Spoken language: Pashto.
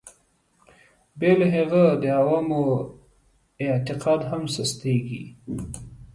بې له هغه د عوامو اعتقاد هم سستېږي.